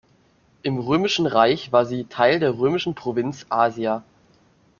Im Römischen Reich war sie Teil der römischen Provinz Asia.